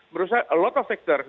menurut saya banyak faktor